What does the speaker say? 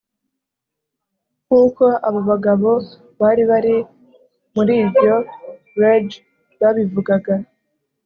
nk’uko abo bagabo bari bari muri iryo rage babivugaga